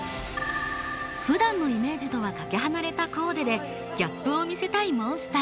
普段のイメージとはかけ離れたコーデでギャップを見せたいモンスター。